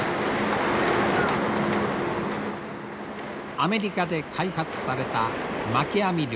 アメリカで開発されたまき網漁。